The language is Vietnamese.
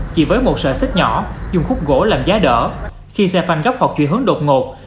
chỉ với một sợi xích nhỏ dùng khúc gỗ làm giá đỡ khi xe phanh góc học chuyển hướng đột ngột